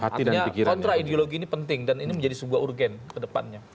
artinya kontra ideologi ini penting dan ini menjadi sebuah urgen ke depannya